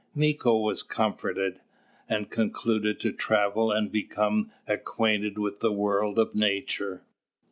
Mīko was comforted, and concluded to travel and become acquainted with the world of Nature.